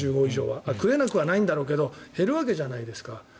食えなくはないんだろうけど減るわけじゃないですか。